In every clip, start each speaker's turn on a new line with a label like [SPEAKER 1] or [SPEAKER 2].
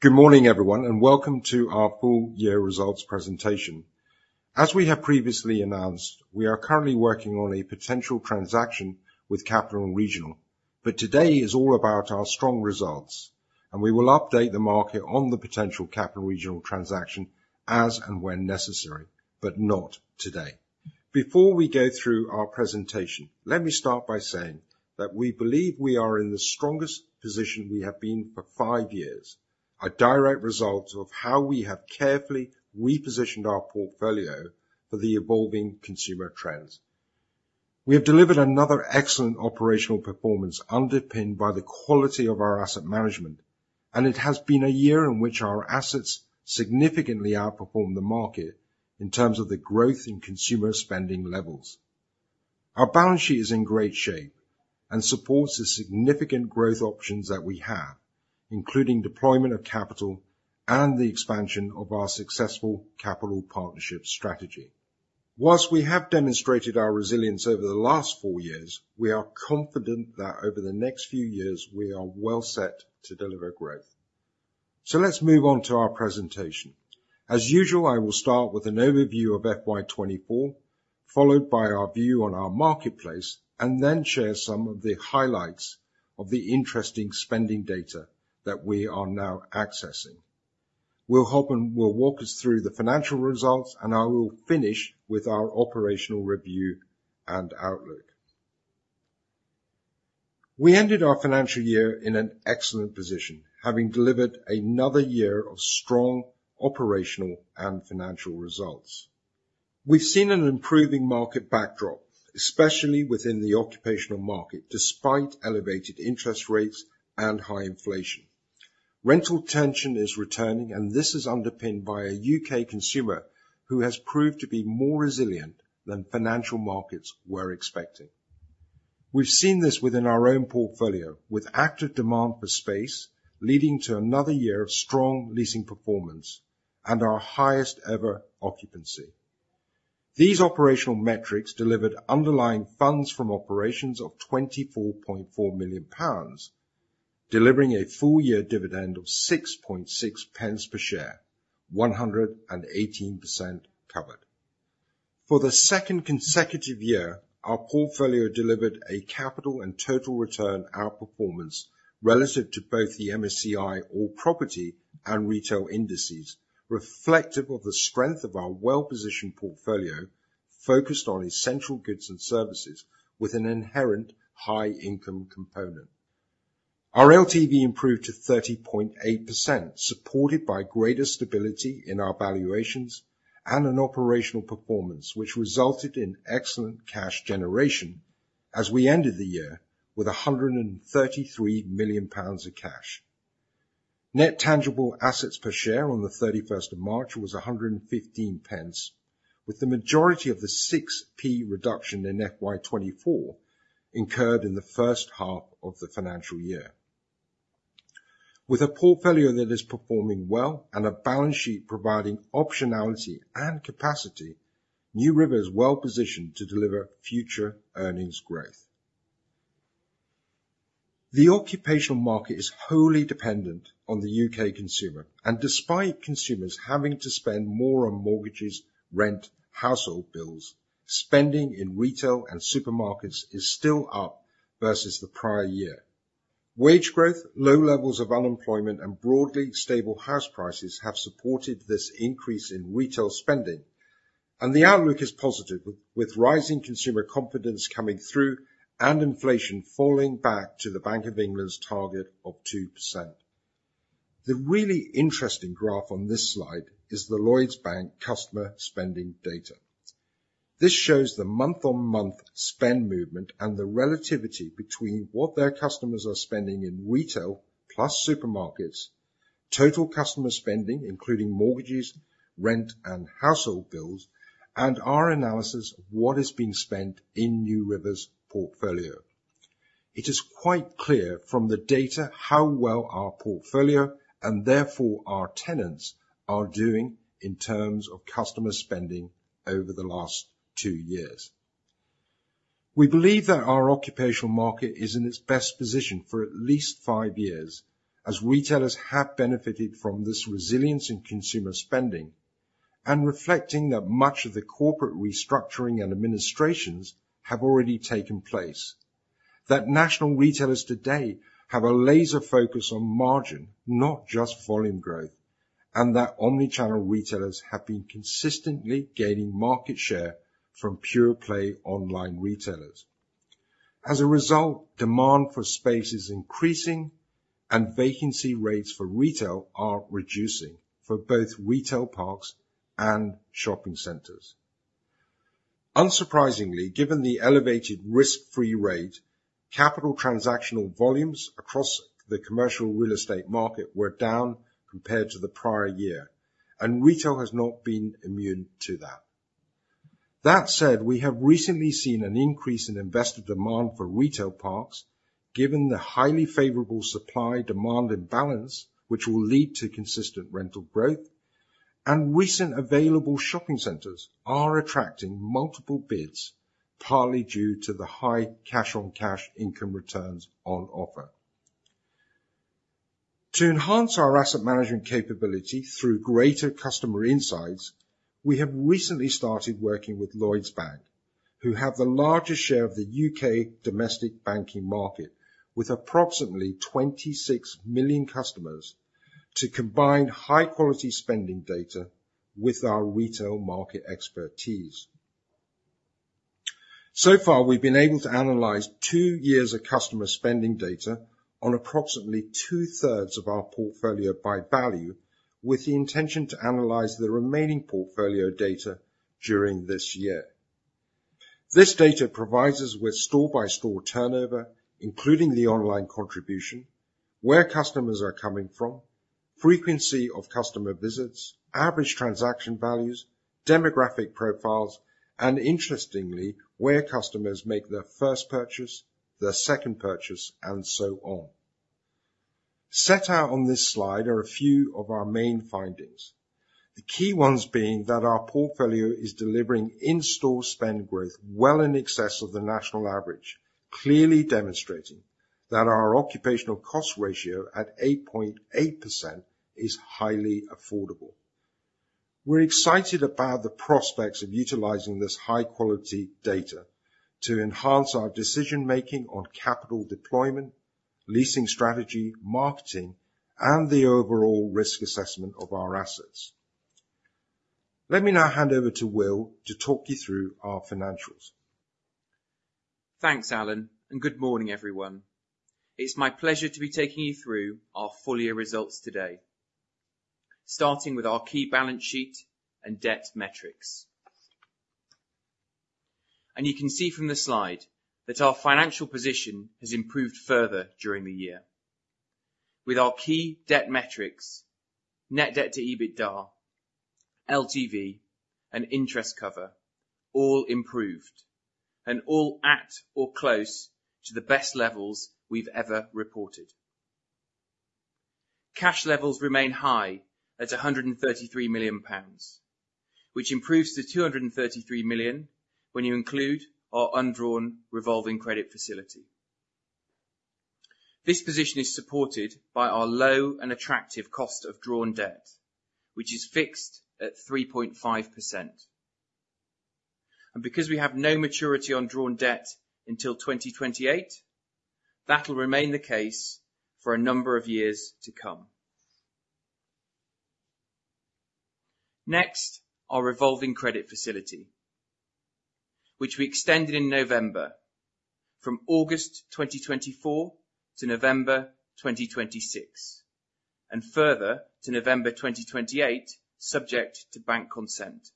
[SPEAKER 1] Good morning, everyone, and welcome to our full year results presentation. As we have previously announced, we are currently working on a potential transaction with Capital & Regional, but today is all about our strong results, and we will update the market on the potential Capital & Regional transaction as and when necessary, but not today. Before we go through our presentation, let me start by saying that we believe we are in the strongest position we have been for five years, a direct result of how we have carefully repositioned our portfolio for the evolving consumer trends. We have delivered another excellent operational performance, underpinned by the quality of our asset management, and it has been a year in which our assets significantly outperformed the market in terms of the growth in consumer spending levels. Our balance sheet is in great shape and supports the significant growth options that we have, including deployment of capital and the expansion of our successful capital partnership strategy. While we have demonstrated our resilience over the last four years, we are confident that over the next few years, we are well set to deliver growth. So let's move on to our presentation. As usual, I will start with an overview of FY 2024, followed by our view on our marketplace, and then share some of the highlights of the interesting spending data that we are now accessing. Will Hobman will walk us through the financial results, and I will finish with our operational review and outlook. We ended our financial year in an excellent position, having delivered another year of strong operational and financial results. We've seen an improving market backdrop, especially within the occupational market, despite elevated interest rates and high inflation. Rental tension is returning, and this is underpinned by a U.K. consumer who has proved to be more resilient than financial markets were expecting. We've seen this within our own portfolio, with active demand for space leading to another year of strong leasing performance and our highest ever occupancy. These operational metrics delivered Underlying Funds From Operations of 24.4 million pounds, delivering a full-year dividend of 0.066 per share, 1.18 covered. For the second consecutive year, our portfolio delivered a capital and total return outperformance relative to both the MSCI all-property and retail indices, reflective of the strength of our well-positioned portfolio, focused on essential goods and services with an inherent high income component. Our LTV improved to 30.8%, supported by greater stability in our valuations and an operational performance, which resulted in excellent cash generation as we ended the year with 133 million pounds of cash. Net tangible assets per share on the 31st of March was 115 pence, with the majority of the 6p reduction in FY 2024 incurred in the first half of the financial year. With a portfolio that is performing well and a balance sheet providing optionality and capacity, NewRiver is well positioned to deliver future earnings growth. The occupational market is wholly dependent on the U.K. consumer, and despite consumers having to spend more on mortgages, rent, household bills, spending in retail and supermarkets is still up versus the prior year. Wage growth, low levels of unemployment, and broadly stable house prices have supported this increase in retail spending, and the outlook is positive, with rising consumer confidence coming through and inflation falling back to the Bank of England's target of 2%. The really interesting graph on this slide is the Lloyds Bank customer spending data. This shows the month-on-month spend movement and the relativity between what their customers are spending in retail, plus supermarkets, total customer spending, including mortgages, rent, and household bills, and our analysis of what is being spent in NewRiver's portfolio. It is quite clear from the data how well our portfolio, and therefore our tenants, are doing in terms of customer spending over the last two years. We believe that our occupational market is in its best position for at least five years, as retailers have benefited from this resilience in consumer spending and reflecting that much of the corporate restructuring and administrations have already taken place, that national retailers today have a laser focus on margin, not just volume growth, and that omni-channel retailers have been consistently gaining market share from pure-play online retailers. As a result, demand for space is increasing and vacancy rates for retail are reducing for both retail parks and shopping centers. Unsurprisingly, given the elevated risk-free rate, capital transactional volumes across the commercial real estate market were down compared to the prior year, and retail has not been immune to that. That said, we have recently seen an increase in investor demand for retail parks, given the highly favorable supply-demand imbalance, which will lead to consistent rental growth.... Recent available shopping centers are attracting multiple bids, partly due to the high cash-on-cash income returns on offer. To enhance our asset management capability through greater customer insights, we have recently started working with Lloyds Bank, who have the largest share of the U.K. domestic banking market, with approximately 26 million customers, to combine high-quality spending data with our retail market expertise. So far, we've been able to analyze two years of customer spending data on approximately two-thirds of our portfolio by value, with the intention to analyze the remaining portfolio data during this year. This data provides us with store-by-store turnover, including the online contribution, where customers are coming from, frequency of customer visits, average transaction values, demographic profiles, and interestingly, where customers make their first purchase, their second purchase, and so on. Set out on this slide are a few of our main findings, the key ones being that our portfolio is delivering in-store spend growth well in excess of the national average, clearly demonstrating that our occupational cost ratio, at 8.8%, is highly affordable. We're excited about the prospects of utilizing this high-quality data to enhance our decision-making on capital deployment, leasing strategy, marketing, and the overall risk assessment of our assets. Let me now hand over to Will to talk you through our financials.
[SPEAKER 2] Thanks, Allan, and good morning, everyone. It's my pleasure to be taking you through our full year results today, starting with our key balance sheet and debt metrics. You can see from the slide that our financial position has improved further during the year. With our key debt metrics, net debt to EBITDA, LTV, and interest cover, all improved and all at or close to the best levels we've ever reported. Cash levels remain high at 133 million pounds, which improves to 233 million when you include our undrawn revolving credit facility. This position is supported by our low and attractive cost of drawn debt, which is fixed at 3.5%. Because we have no maturity on drawn debt until 2028, that'll remain the case for a number of years to come. Next, our revolving credit facility, which we extended in November from August 2024 to November 2026, and further to November 2028, subject to bank consent.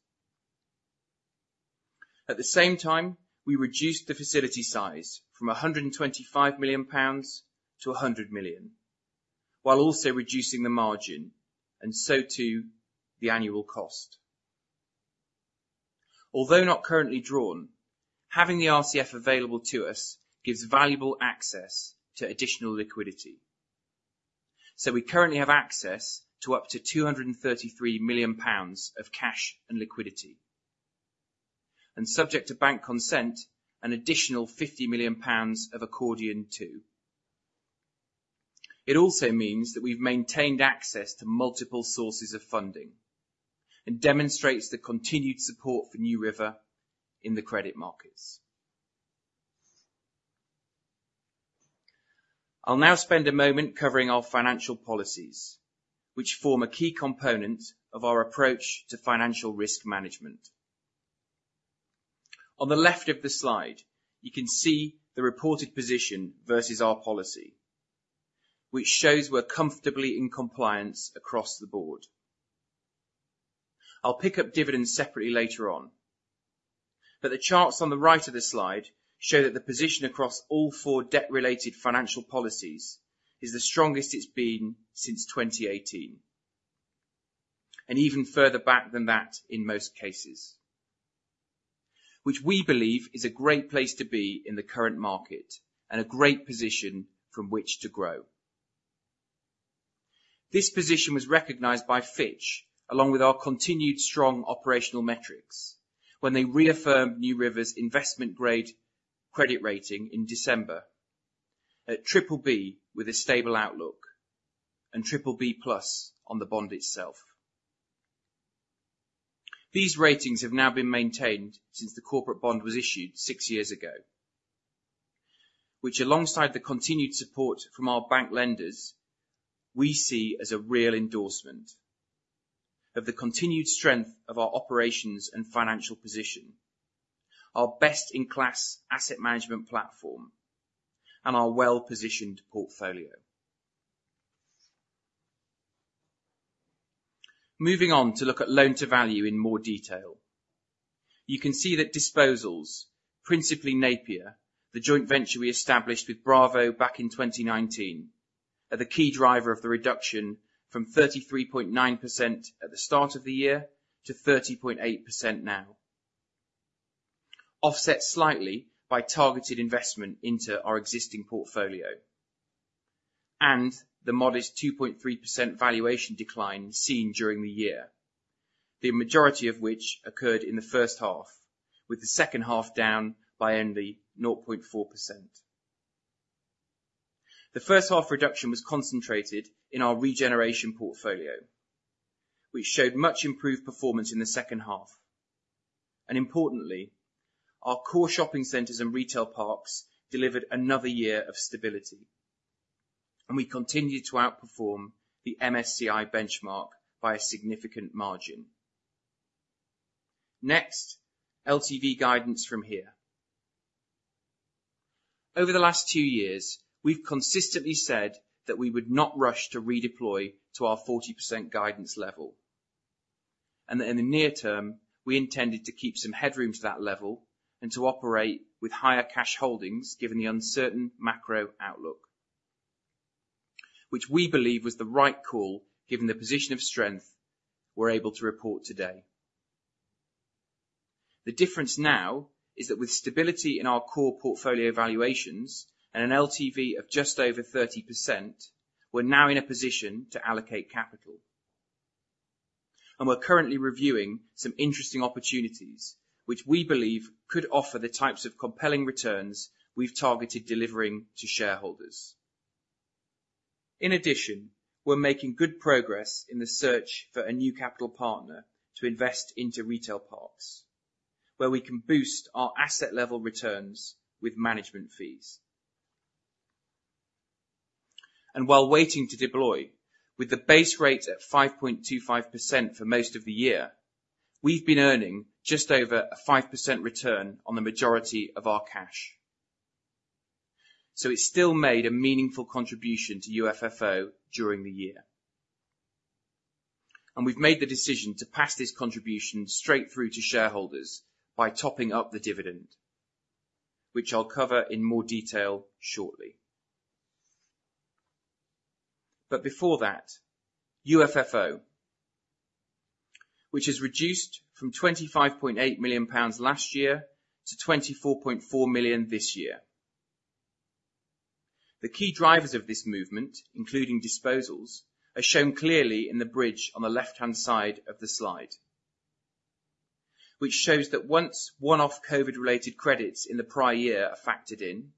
[SPEAKER 2] At the same time, we reduced the facility size from 125 million pounds to 100 million, while also reducing the margin, and so too, the annual cost. Although not currently drawn, having the RCF available to us gives valuable access to additional liquidity. So we currently have access to up to 233 million pounds of cash and liquidity, and subject to bank consent, an additional 50 million pounds of accordion too. It also means that we've maintained access to multiple sources of funding and demonstrates the continued support for NewRiver in the credit markets. I'll now spend a moment covering our financial policies, which form a key component of our approach to financial risk management. On the left of the slide, you can see the reported position versus our policy, which shows we're comfortably in compliance across the board. I'll pick up dividends separately later on, but the charts on the right of this slide show that the position across all four debt-related financial policies is the strongest it's been since 2018, and even further back than that in most cases, which we believe is a great place to be in the current market and a great position from which to grow. This position was recognized by Fitch, along with our continued strong operational metrics when they reaffirmed NewRiver's investment-grade credit rating in December at BBB with a stable outlook and BBB+ on the bond itself. These ratings have now been maintained since the corporate bond was issued 6 years ago, which, alongside the continued support from our bank lenders, we see as a real endorsement of the continued strength of our operations and financial position, our best-in-class asset management platform, and our well-positioned portfolio. Moving on to look at loan-to-value in more detail. You can see that disposals, principally Napier, the joint venture we established with Bravo back in 2019, are the key driver of the reduction from 33.9% at the start of the year to 30.8% now, offset slightly by targeted investment into our existing portfolio, and the modest 2.3% valuation decline seen during the year, the majority of which occurred in the first half, with the second half down by only 0.4%. The first half reduction was concentrated in our regeneration portfolio, which showed much improved performance in the second half. Importantly, our core shopping centers and retail parks delivered another year of stability, and we continued to outperform the MSCI benchmark by a significant margin. Next, LTV guidance from here. Over the last 2 years, we've consistently said that we would not rush to redeploy to our 40% guidance level, and that in the near term, we intended to keep some headroom to that level and to operate with higher cash holdings, given the uncertain macro outlook, which we believe was the right call, given the position of strength we're able to report today. The difference now is that with stability in our core portfolio valuations and an LTV of just over 30%, we're now in a position to allocate capital. We're currently reviewing some interesting opportunities, which we believe could offer the types of compelling returns we've targeted delivering to shareholders. In addition, we're making good progress in the search for a new capital partner to invest into retail parks, where we can boost our asset level returns with management fees. While waiting to deploy, with the base rate at 5.25% for most of the year, we've been earning just over a 5% return on the majority of our cash. So it still made a meaningful contribution to UFFO during the year. We've made the decision to pass this contribution straight through to shareholders by topping up the dividend, which I'll cover in more detail shortly. Before that, UFFO, which has reduced from 25.8 million pounds last year to 24.4 million this year. The key drivers of this movement, including disposals, are shown clearly in the bridge on the left-hand side of the slide, which shows that once one-off COVID-related credits in the prior year are factored in,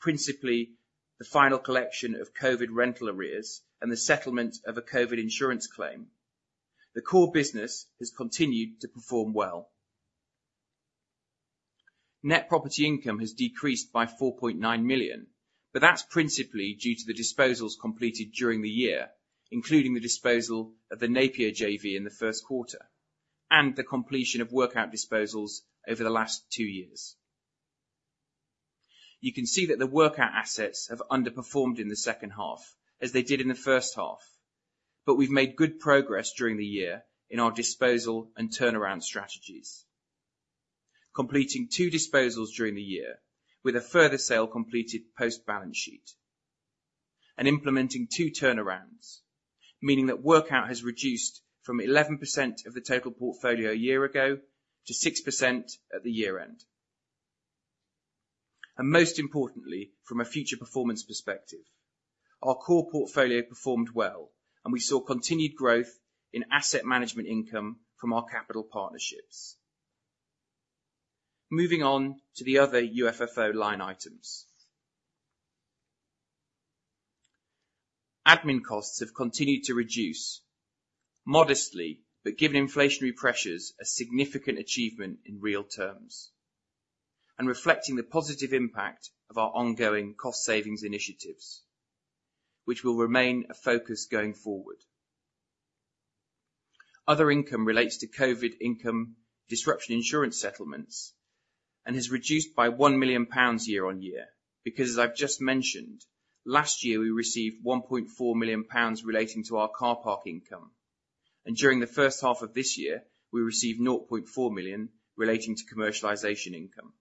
[SPEAKER 2] principally the final collection of COVID rental arrears and the settlement of a COVID insurance claim, the core business has continued to perform well. Net property income has decreased by 4.9 million, but that's principally due to the disposals completed during the year, including the disposal of the Napier JV in the first quarter and the completion of workout disposals over the last two years. You can see that the workout assets have underperformed in the second half, as they did in the first half, but we've made good progress during the year in our disposal and turnaround strategies, completing 2 disposals during the year, with a further sale completed post-balance sheet, and implementing 2 turnarounds, meaning that workout has reduced from 11% of the total portfolio a year ago to 6% at the year-end. And most importantly, from a future performance perspective, our core portfolio performed well, and we saw continued growth in asset management income from our capital partnerships. Moving on to the other UFFO line items. Admin costs have continued to reduce modestly, but given inflationary pressures, a significant achievement in real terms, and reflecting the positive impact of our ongoing cost savings initiatives, which will remain a focus going forward. Other income relates to COVID income disruption insurance settlements, and has reduced by 1 million pounds year on year, because as I've just mentioned, last year, we received 1.4 million pounds relating to our car park income, and during the first half of this year, we received 0.4 million relating to commercialization income.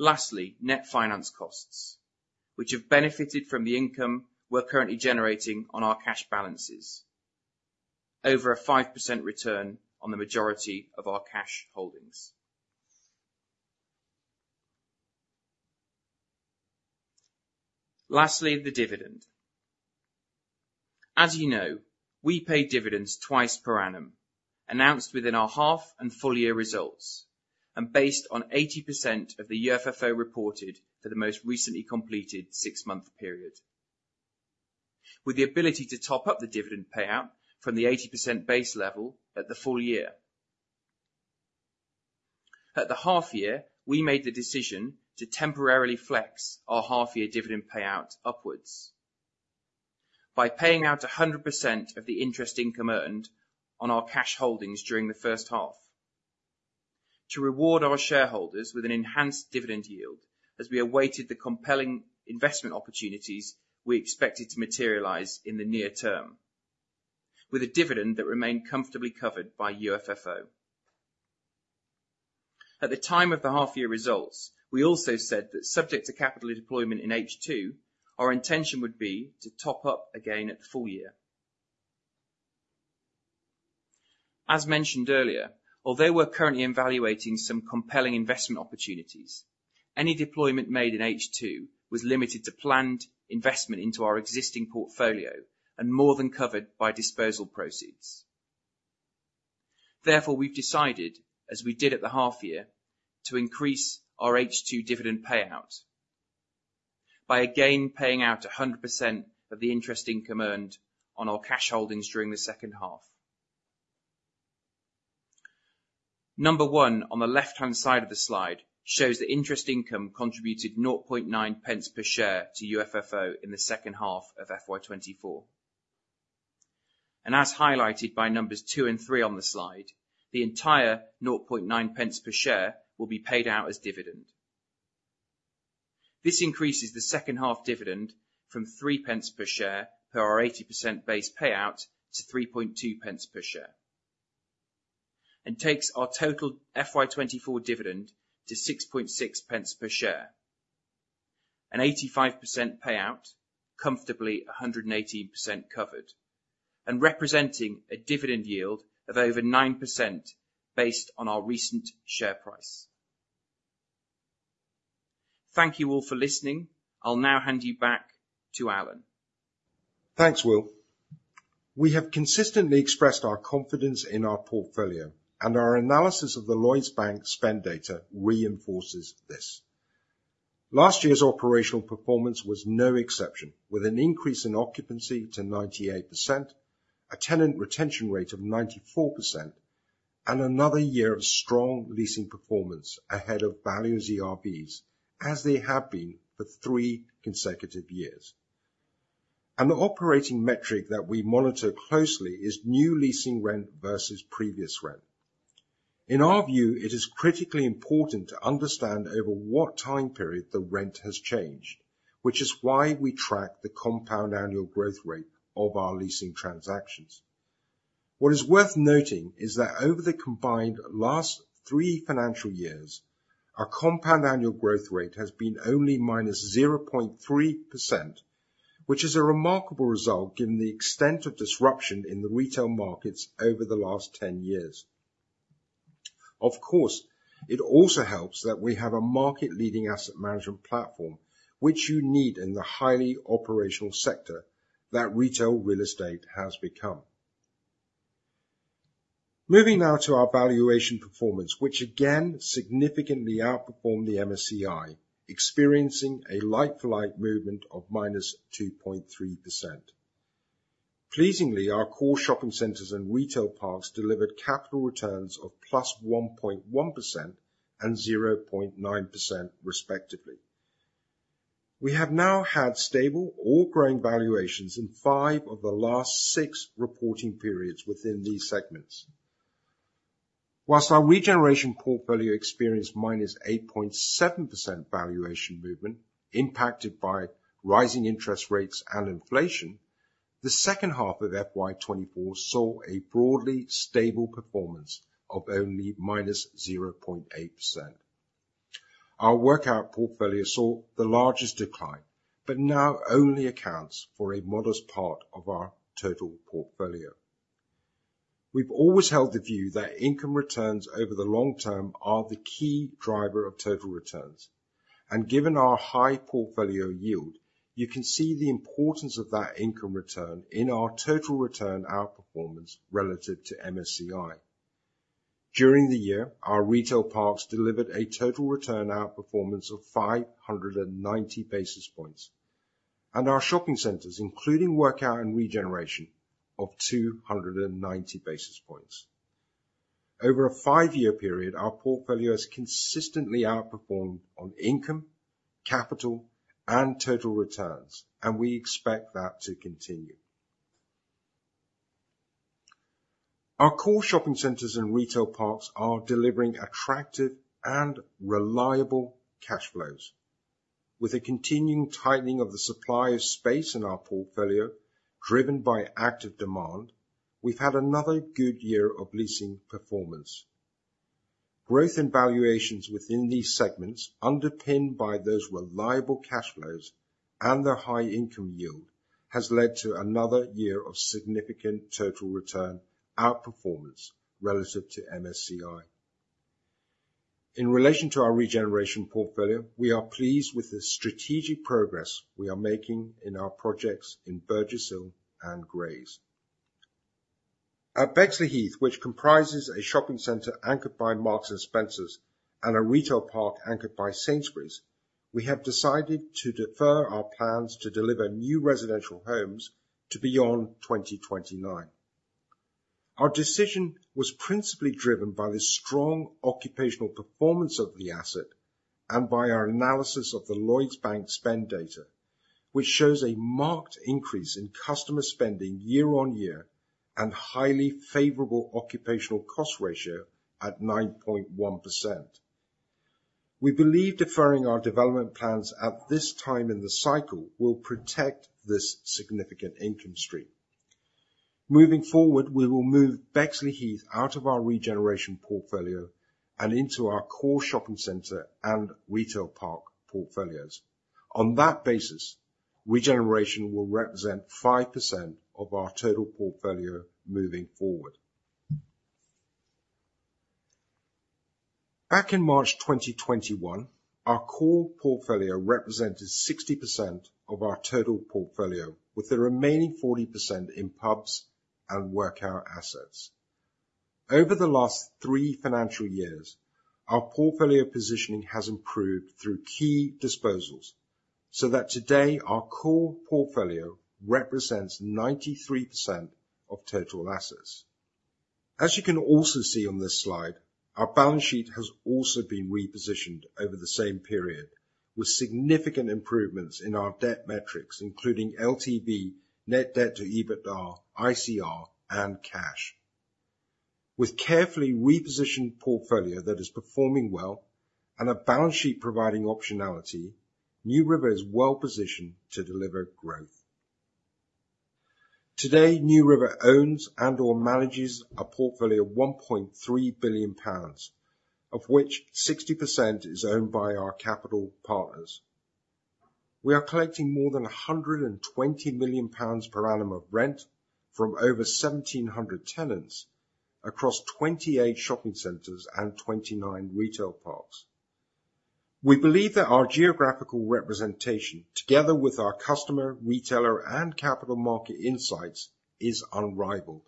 [SPEAKER 2] Lastly, net finance costs, which have benefited from the income we're currently generating on our cash balances, over a 5% return on the majority of our cash holdings. Lastly, the dividend. As you know, we pay dividends twice per annum, announced within our half and full-year results, and based on 80% of the UFFO reported for the most recently completed six-month period, with the ability to top up the dividend payout from the 80% base level at the full year. At the half year, we made the decision to temporarily flex our half-year dividend payout upwards by paying out 100% of the interest income earned on our cash holdings during the first half to reward our shareholders with an enhanced dividend yield as we awaited the compelling investment opportunities we expected to materialize in the near term, with a dividend that remained comfortably covered by UFFO. At the time of the half-year results, we also said that subject to capital deployment in H2, our intention would be to top up again at the full year. As mentioned earlier, although we're currently evaluating some compelling investment opportunities, any deployment made in H2 was limited to planned investment into our existing portfolio and more than covered by disposal proceeds. Therefore, we've decided, as we did at the half year, to increase our H2 dividend payout by again paying out 100% of the interest income earned on our cash holdings during the second half. Number one on the left-hand side of the slide shows the interest income contributed 0.009 per share to UFFO in the second half of FY 2024. And as highlighted by numbers two and three on the slide, the entire 0.009 per share will be paid out as dividend. This increases the second half dividend from 0.03 per share per our 80% base payout to 0.032 per share, and takes our total FY 2024 dividend to 0.066 per share. An 85% payout, comfortably 118% covered, and representing a dividend yield of over 9% based on our recent share price. Thank you all for listening. I'll now hand you back to Allan.
[SPEAKER 1] Thanks, Will. We have consistently expressed our confidence in our portfolio, and our analysis of the Lloyds Bank spend data reinforces this. Last year's operational performance was no exception, with an increase in occupancy to 98%, a tenant retention rate of 94%, and another year of strong leasing performance ahead of values ERVs, as they have been for three consecutive years. An operating metric that we monitor closely is new leasing rent versus previous rent. In our view, it is critically important to understand over what time period the rent has changed, which is why we track the compound annual growth rate of our leasing transactions. What is worth noting is that over the combined last three financial years, our compound annual growth rate has been only -0.3%, which is a remarkable result given the extent of disruption in the retail markets over the last 10 years. Of course, it also helps that we have a market-leading asset management platform, which you need in the highly operational sector that retail real estate has become. Moving now to our valuation performance, which again significantly outperformed the MSCI, experiencing a like-for-like movement of -2.3%. Pleasingly, our core shopping centers and retail parks delivered capital returns of +1.1% and 0.9%, respectively. We have now had stable or growing valuations in five of the last six reporting periods within these segments. Whilst our regeneration portfolio experienced -8.7% valuation movement impacted by rising interest rates and inflation, the second half of FY 2024 saw a broadly stable performance of only -0.8%. Our workout portfolio saw the largest decline, but now only accounts for a modest part of our total portfolio. We've always held the view that income returns over the long term are the key driver of total returns, and given our high portfolio yield, you can see the importance of that income return in our total return outperformance relative to MSCI. During the year, our retail parks delivered a total return outperformance of 590 basis points, and our shopping centers, including workout and regeneration, of 290 basis points. Over a 5-year period, our portfolio has consistently outperformed on income, capital, and total returns, and we expect that to continue. Our core shopping centers and retail parks are delivering attractive and reliable cash flows. With a continuing tightening of the supply of space in our portfolio, driven by active demand, we've had another good year of leasing performance. Growth in valuations within these segments, underpinned by those reliable cash flows and their high income yield, has led to another year of significant total return outperformance relative to MSCI. In relation to our regeneration portfolio, we are pleased with the strategic progress we are making in our projects in Burgess Hill and Grays. At Bexleyheath, which comprises a shopping center anchored by Marks & Spencer and a retail park anchored by Sainsbury's, we have decided to defer our plans to deliver new residential homes to beyond 2029. Our decision was principally driven by the strong occupational performance of the asset and by our analysis of the Lloyds Bank spend data, which shows a marked increase in customer spending year-over-year and highly favorable occupational cost ratio at 9.1%. We believe deferring our development plans at this time in the cycle will protect this significant income stream. Moving forward, we will move Bexleyheath out of our regeneration portfolio and into our core shopping center and retail park portfolios. On that basis, regeneration will represent 5% of our total portfolio moving forward. Back in March 2021, our core portfolio represented 60% of our total portfolio, with the remaining 40% in pubs and workout assets. Over the last three financial years, our portfolio positioning has improved through key disposals, so that today, our core portfolio represents 93% of total assets. As you can also see on this slide, our balance sheet has also been repositioned over the same period, with significant improvements in our debt metrics, including LTV, net debt to EBITDA, ICR, and cash. With carefully repositioned portfolio that is performing well and a balance sheet providing optionality, NewRiver is well positioned to deliver growth. Today, NewRiver owns and/or manages a portfolio of 1.3 billion pounds, of which 60% is owned by our capital partners. We are collecting more than 120 million pounds per annum of rent from over 1,700 tenants across 28 shopping centers and 29 retail parks. We believe that our geographical representation, together with our customer, retailer, and capital market insights, is unrivaled.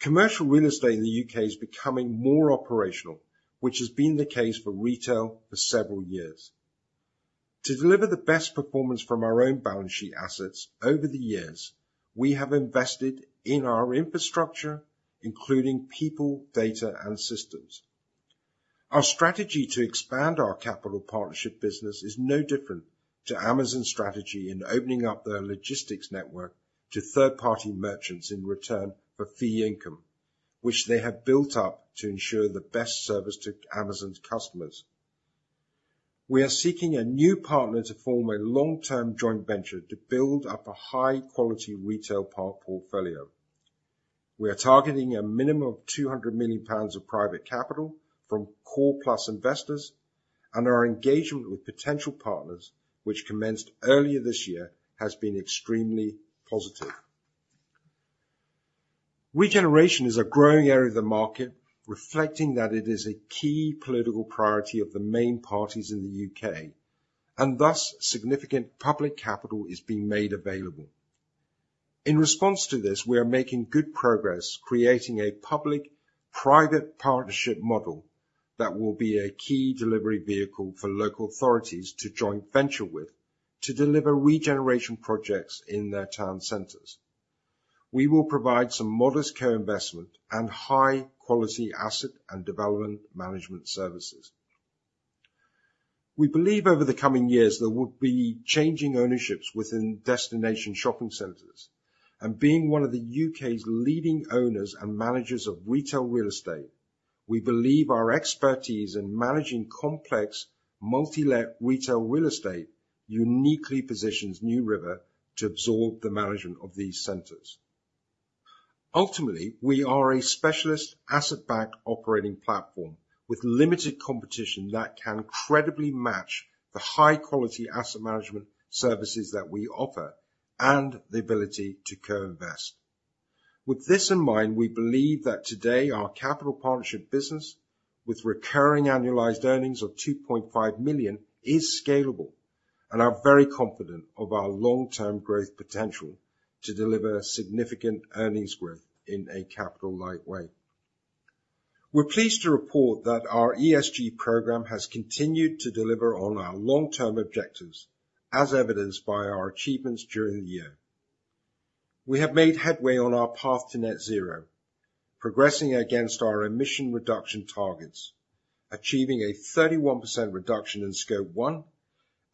[SPEAKER 1] Commercial real estate in the U.K. is becoming more operational, which has been the case for retail for several years. To deliver the best performance from our own balance sheet assets over the years, we have invested in our infrastructure, including people, data, and systems. Our strategy to expand our capital partnership business is no different to Amazon's strategy in opening up their logistics network to third-party merchants in return for fee income, which they have built up to ensure the best service to Amazon's customers. We are seeking a new partner to form a long-term joint venture to build up a high-quality retail park portfolio. We are targeting a minimum of 200 million pounds of private capital from core plus investors, and our engagement with potential partners, which commenced earlier this year, has been extremely positive. Regeneration is a growing area of the market, reflecting that it is a key political priority of the main parties in the U.K., and thus, significant public capital is being made available. In response to this, we are making good progress creating a public-private partnership model that will be a key delivery vehicle for local authorities to joint venture with to deliver regeneration projects in their town centers. We will provide some modest co-investment and high-quality asset and development management services. We believe over the coming years, there will be changing ownerships within destination shopping centers, and being one of the U.K.'s leading owners and managers of retail real estate, we believe our expertise in managing complex, multi-let retail real estate uniquely positions NewRiver to absorb the management of these centers. Ultimately, we are a specialist asset-backed operating platform with limited competition that can credibly match the high-quality asset management services that we offer and the ability to co-invest. With this in mind, we believe that today, our capital partnership business, with recurring annualized earnings of 2.5 million, is scalable and are very confident of our long-term growth potential to deliver significant earnings growth in a capital-light way. We're pleased to report that our ESG program has continued to deliver on our long-term objectives, as evidenced by our achievements during the year. We have made headway on our path to net zero, progressing against our emission reduction targets, achieving a 31% reduction in Scope 1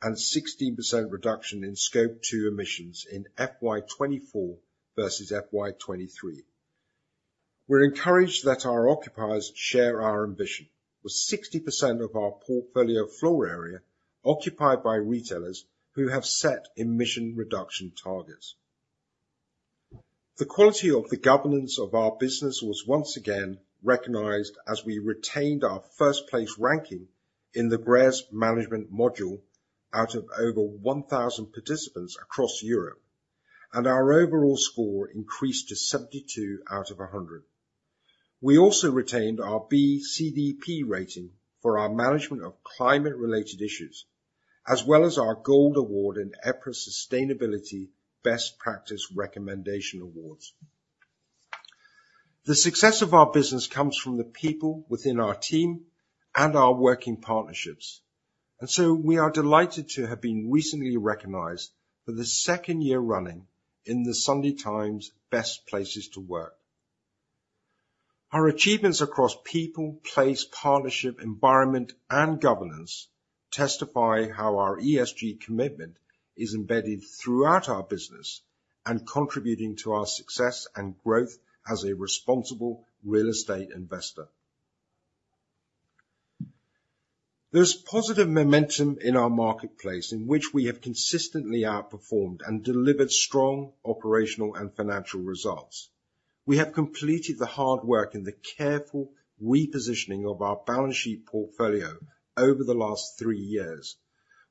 [SPEAKER 1] and 16% reduction in Scope 2 emissions in FY 2024 versus FY 2023. We're encouraged that our occupiers share our ambition, with 60% of our portfolio floor area occupied by retailers who have set emission reduction targets. The quality of the governance of our business was once again recognized as we retained our first-place ranking in the GRESB management module out of over 1,000 participants across Europe, and our overall score increased to 72 out of 100. We also retained our B CDP rating for our management of climate-related issues, as well as our Gold Award in EPRA's Sustainability Best Practice Recommendation Awards. The success of our business comes from the people within our team and our working partnerships, and so we are delighted to have been recently recognized for the second year running in the Sunday Times Best Places to Work. Our achievements across people, place, partnership, environment, and governance testify how our ESG commitment is embedded throughout our business and contributing to our success and growth as a responsible real estate investor. There's positive momentum in our marketplace, in which we have consistently outperformed and delivered strong operational and financial results. We have completed the hard work and the careful repositioning of our balance sheet portfolio over the last three years,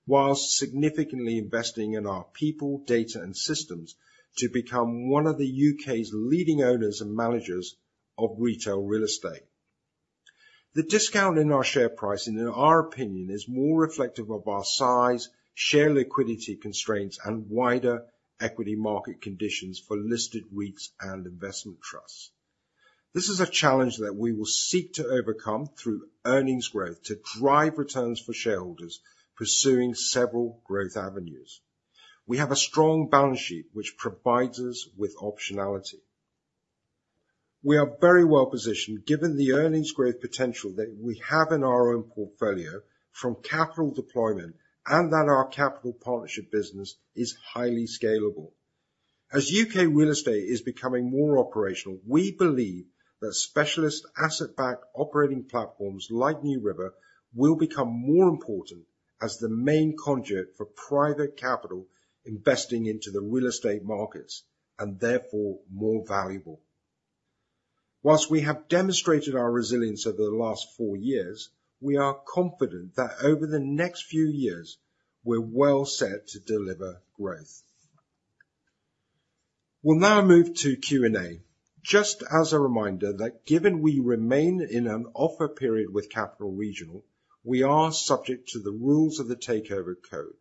[SPEAKER 1] whilst significantly investing in our people, data, and systems to become one of the U.K.'s leading owners and managers of retail real estate. The discount in our share price, in our opinion, is more reflective of our size, share liquidity constraints, and wider equity market conditions for listed REITs and investment trusts. This is a challenge that we will seek to overcome through earnings growth to drive returns for shareholders, pursuing several growth avenues. We have a strong balance sheet, which provides us with optionality. We are very well positioned, given the earnings growth potential that we have in our own portfolio from capital deployment, and that our capital partnership business is highly scalable. As U.K. real estate is becoming more operational, we believe that specialist asset-backed operating platforms like NewRiver will become more important as the main conduit for private capital investing into the real estate markets, and therefore, more valuable. While we have demonstrated our resilience over the last four years, we are confident that over the next few years, we're well set to deliver growth. We'll now move to Q&A. Just as a reminder, that given we remain in an offer period with Capital & Regional, we are subject to the rules of the Takeover Code,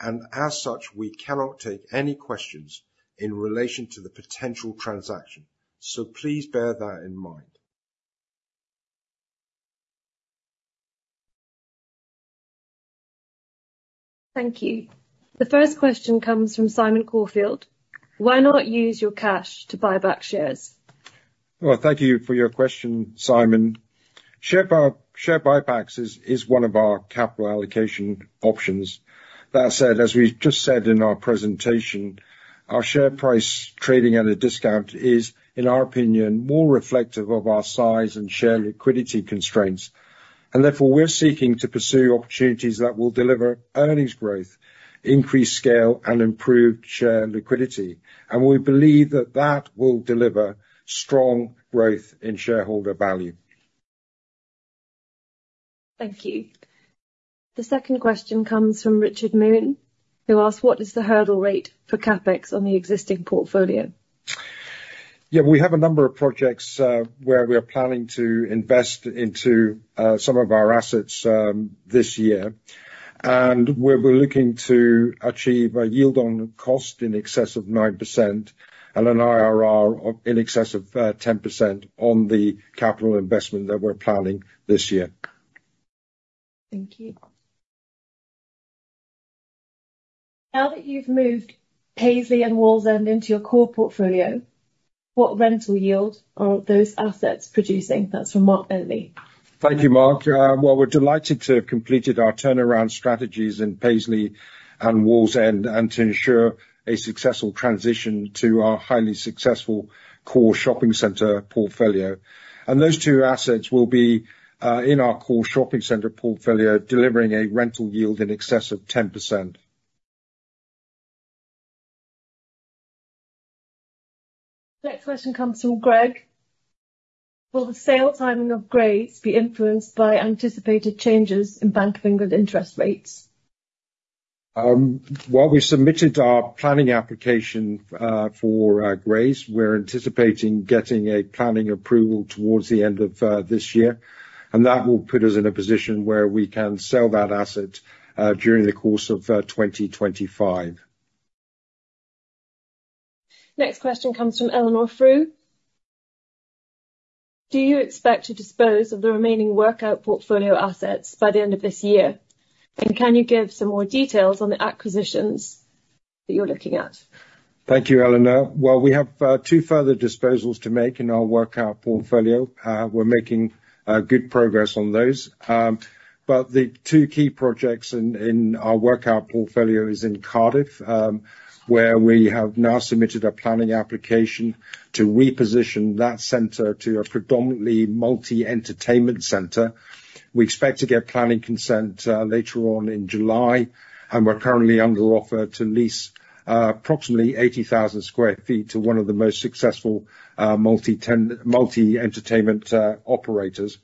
[SPEAKER 1] and as such, we cannot take any questions in relation to the potential transaction. So please bear that in mind.
[SPEAKER 3] Thank you. The first question comes from Simon Corfield: Why not use your cash to buy back shares?
[SPEAKER 1] Well, thank you for your question, Simon. Share buybacks is one of our capital allocation options. That said, as we just said in our presentation, our share price trading at a discount is, in our opinion, more reflective of our size and share liquidity constraints, and therefore, we're seeking to pursue opportunities that will deliver earnings growth, increase scale, and improve share liquidity. We believe that that will deliver strong growth in shareholder value.
[SPEAKER 3] Thank you. The second question comes from Richard Moon, who asks, "What is the hurdle rate for CapEx on the existing portfolio?
[SPEAKER 1] Yeah, we have a number of projects where we are planning to invest into some of our assets this year. We're looking to achieve a yield on cost in excess of 9% and an IRR of in excess of 10% on the capital investment that we're planning this year.
[SPEAKER 3] Thank you. Now that you've moved Paisley and Wallsend into your core portfolio, what rental yield are those assets producing? That's from Mark Bentley.
[SPEAKER 1] Thank you, Mark. Well, we're delighted to have completed our turnaround strategies in Paisley and Wallsend, and to ensure a successful transition to our highly successful core shopping center portfolio. Those two assets will be in our core shopping center portfolio, delivering a rental yield in excess of 10%.
[SPEAKER 3] Next question comes from Greg: Will the sale timing of Grays be influenced by anticipated changes in Bank of England interest rates?
[SPEAKER 1] Well, we submitted our planning application for Grays. We're anticipating getting a planning approval towards the end of this year, and that will put us in a position where we can sell that asset during the course of 2025.
[SPEAKER 3] Next question comes from Eleanor Frew: Do you expect to dispose of the remaining workout portfolio assets by the end of this year? And can you give some more details on the acquisitions that you're looking at?
[SPEAKER 1] Thank you, Eleanor. Well, we have two further disposals to make in our workout portfolio. We're making good progress on those. But the two key projects in our workout portfolio is in Cardiff, where we have now submitted a planning application to reposition that center to a predominantly multi-entertainment center. We expect to get planning consent later on in July, and we're currently under offer to lease approximately 80,000 sq ft to one of the most successful multi-entertainment operators.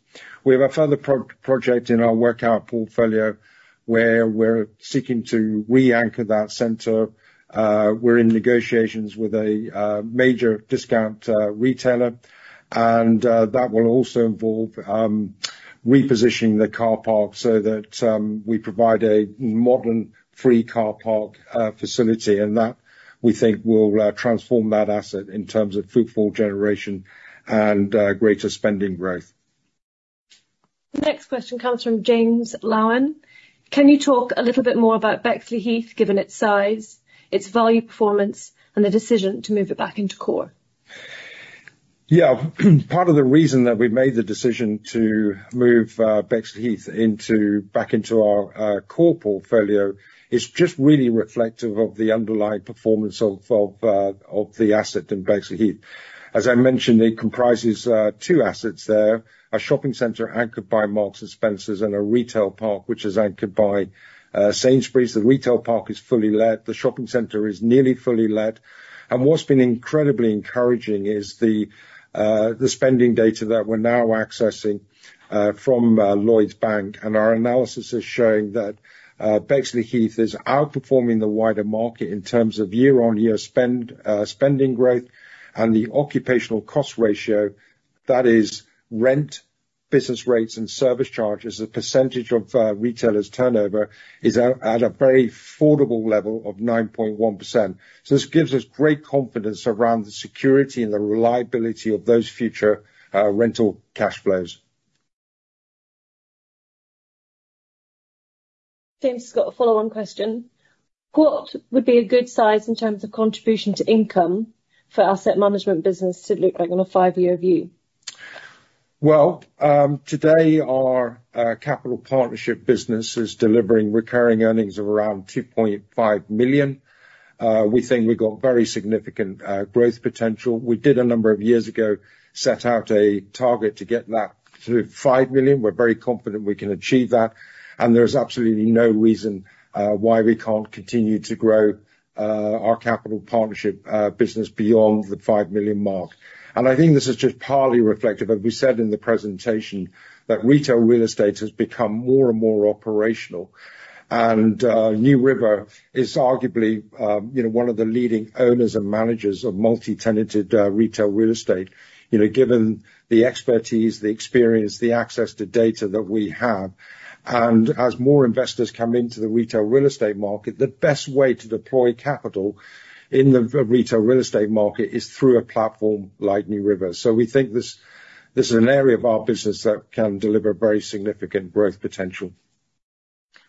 [SPEAKER 1] We have a further project in our workout portfolio, where we're seeking to re-anchor that center. We're in negotiations with a major discount retailer, and that will also involve repositioning the car park so that we provide a modern, free car park facility. That, we think, will transform that asset in terms of footfall generation and greater spending growth.
[SPEAKER 3] The next question comes from James Lowen: Can you talk a little bit more about Bexleyheath, given its size, its value, performance, and the decision to move it back into core?...
[SPEAKER 1] Yeah, part of the reason that we made the decision to move Bexleyheath into back into our core portfolio is just really reflective of the underlying performance of of of the asset in Bexleyheath. As I mentioned, it comprises two assets there, a shopping center anchored by Marks & Spencer, and a retail park, which is anchored by Sainsbury's. The retail park is fully let, the shopping center is nearly fully let, and what's been incredibly encouraging is the the spending data that we're now accessing from Lloyds Bank, and our analysis is showing that Bexleyheath is outperforming the wider market in terms of year-on-year spend spending growth, and the occupational cost ratio, that is rent, business rates, and service charges. The percentage of retailers' turnover is at at a very affordable level of 9.1%. So this gives us great confidence around the security and the reliability of those future rental cash flows.
[SPEAKER 3] James, got a follow-on question. What would be a good size in terms of contribution to income for asset management business to look like on a five-year view?
[SPEAKER 1] Well, today, our capital partnership business is delivering recurring earnings of around 2.5 million. We think we've got very significant growth potential. We did, a number of years ago, set out a target to get that to 5 million. We're very confident we can achieve that, and there is absolutely no reason why we can't continue to grow our capital partnership business beyond the 5 million mark. And I think this is just partly reflective, as we said in the presentation, that retail real estate has become more and more operational. And NewRiver is arguably, you know, one of the leading owners and managers of multi-tenanted retail real estate. You know, given the expertise, the experience, the access to data that we have, and as more investors come into the retail real estate market, the best way to deploy capital in the retail real estate market is through a platform like NewRiver. So we think this, this is an area of our business that can deliver very significant growth potential.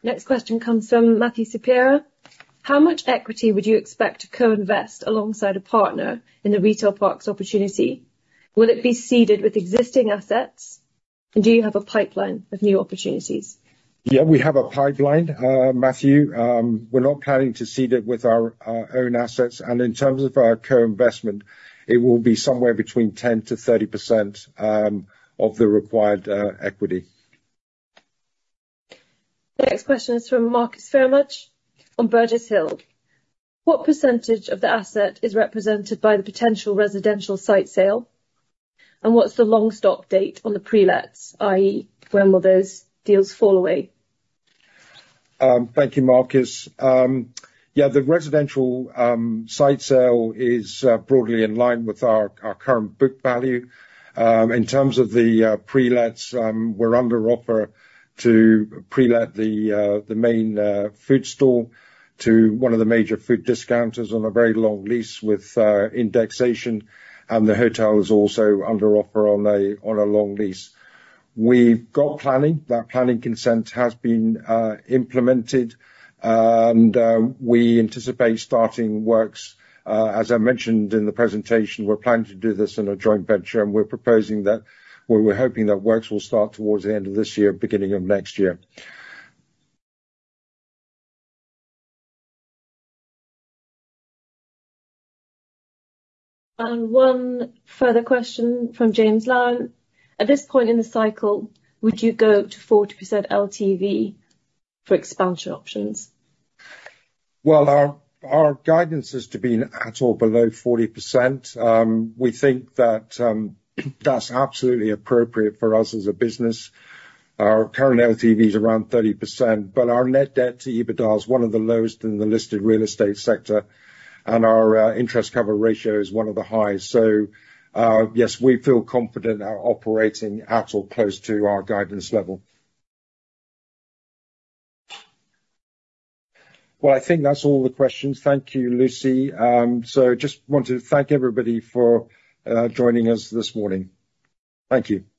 [SPEAKER 3] Next question comes from Matthew Saperia. How much equity would you expect to co-invest alongside a partner in the retail parks opportunity? Will it be seeded with existing assets, and do you have a pipeline of new opportunities?
[SPEAKER 1] Yeah, we have a pipeline, Matthew. We're not planning to seed it with our, our own assets, and in terms of our co-investment, it will be somewhere between 10%-30% of the required equity.
[SPEAKER 3] The next question is from Marcus Phayre-Mudge on Burgess Hill. What percentage of the asset is represented by the potential residential site sale? And what's the longest stop date on the pre-lets, i.e., when will those deals fall away?
[SPEAKER 1] Thank you, Marcus. Yeah, the residential site sale is broadly in line with our current book value. In terms of the pre-lets, we're under offer to pre-let the main food store to one of the major food discounters on a very long lease with indexation, and the hotel is also under offer on a long lease. We've got planning. That planning consent has been implemented, and we anticipate starting works, as I mentioned in the presentation, we're planning to do this in a joint venture, and we're proposing that- well, we're hoping that works will start towards the end of this year, beginning of next year.
[SPEAKER 3] One further question from James Long. At this point in the cycle, would you go to 40% LTV for expansion options?
[SPEAKER 1] Well, our guidance is to be at or below 40%. We think that, that's absolutely appropriate for us as a business. Our current LTV is around 30%, but our net debt to EBITDA is one of the lowest in the listed real estate sector, and our interest cover ratio is one of the highest. So, yes, we feel confident our operating at or close to our guidance level. Well, I think that's all the questions. Thank you, Lucy. So just wanted to thank everybody for joining us this morning. Thank you.